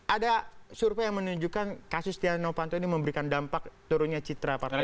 ada surpa yang menunjukkan kasus tiano panto ini memberikan dampak turunnya citra partai golkar